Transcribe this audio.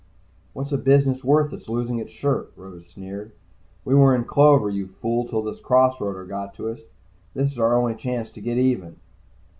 "What's a business worth that's losing its shirt?" Rose sneered. "We were in clover, you fool, till this cross roader got to us. This is our only chance to get even."